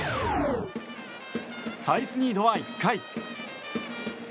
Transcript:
サイスニードは１回。